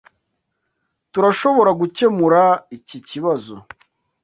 Turashoboragukemura iki kibazo?